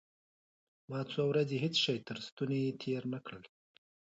ما څو ورځې هېڅ شى تر ستوني تېر نه کړل.